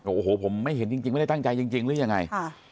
โอ้โหผมไม่เห็นจริงไม่ได้ตั้งใจจริงหรือยังไง